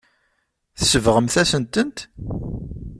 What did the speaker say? Tsebɣemt-asen-tent.